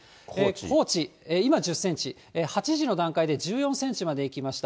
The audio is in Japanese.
高知、今１０センチ、８時の段階で１４センチまでいきました。